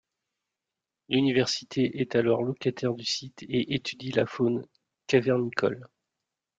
L'université est alors locataire du site et étudie la faune cavernicole.